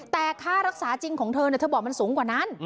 แต่ค่ารักษาจริงของเธอเธอบอกมันสูงกว่านั้น